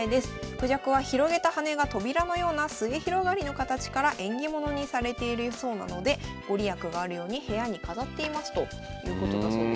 クジャクは広げた羽が扉のような末広がりの形から縁起物にされているそうなので御利益があるように部屋に飾っていますということだそうです。